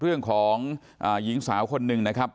เรื่องของหญิงสาวคนหนึ่งนะครับ